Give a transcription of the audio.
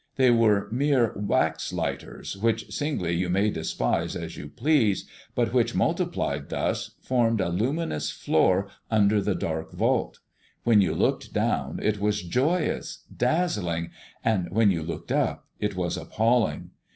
They were mere wax lighters, which singly you may despise as you please, but which, multiplied thus, formed a luminous floor under the dark vault: when you looked down, it was joyous, dazzling; and when you looked up, it was appalling.